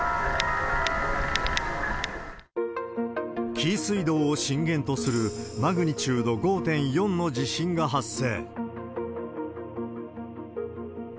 紀伊水道を震源とするマグニチュード５．４の地震が発生。